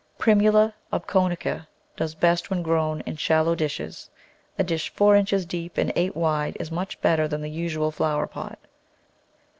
Primula obconica does better when grown in shallow dishes; a dish four inches deep and eight wide is much better than the usual flower pot.